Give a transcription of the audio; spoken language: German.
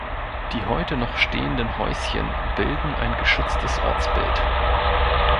Die heute noch stehenden Häuschen bilden ein geschütztes Ortsbild.